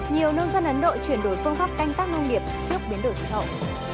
nhiều nông dân ấn độ chuyển đổi phương pháp canh tác nông nghiệp trước biến đổi khí hậu